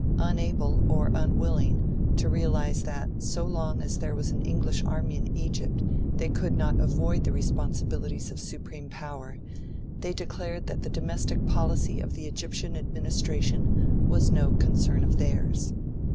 Unable, or unwilling, to realise that, so long as there was an English army in Egypt they could not avoid the responsibilities of supreme power, they declared that the domestic policy of the Egyptian administration was no concern of theirs.